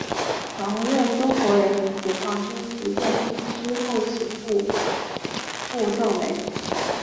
曾任中国人民解放军福建军区后勤部副政委。